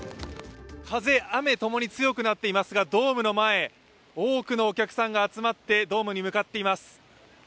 風雨共に強くなっていますがドームの前、多くのお客さんが集まってドームに向かっています。